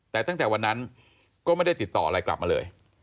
แต่ตั้งแต่วันนั้นก็ไม่ได้ติดต่ออะไรกลับมาเลย